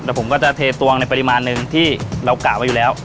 เดี๋ยวผมก็จะเทตวงในปริมาณนึงที่เรากะไว้อยู่แล้ว